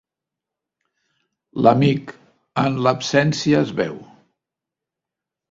L'amic, en l'absència es veu.